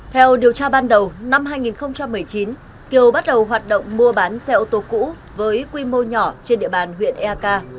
theo điều tra ban đầu năm hai nghìn một mươi chín kiều bắt đầu hoạt động mua bán xe ô tô cũ với quy mô nhỏ trên địa bàn huyện eak